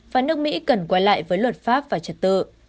và nước mỹ cần quay lại với luật pháp và trật tự